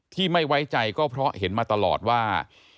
ไม่ไว้ใจก็เพราะเห็นมาตลอดว่า